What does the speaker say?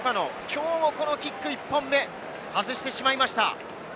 きょうもこのキック１本目、外してしまいました。